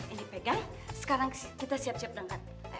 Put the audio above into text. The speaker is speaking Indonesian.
ini pegang sekarang kita siap siap dengan